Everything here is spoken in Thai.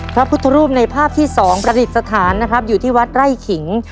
พระพุทธรูปในภาพที่สองประดิษฐานนะครับอยู่ที่วัดไร่ขิง